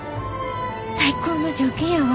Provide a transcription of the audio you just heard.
最高の条件やわ。